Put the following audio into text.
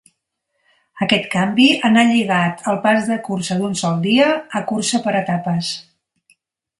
Aquest canvi anà lligat al pas de cursa d'un sol dia a cursa per etapes.